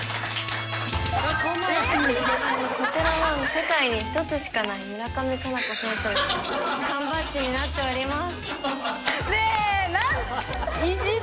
こちらは世界に一つしかない村上佳菜子選手の缶バッジになっております。